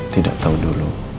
tidak tahu dulu